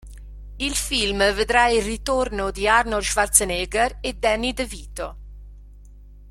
Il film vedrà il ritorno di Arnold Schwarzenegger e Danny DeVito.